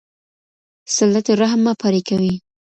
صلة رحم مه پرې کوئ.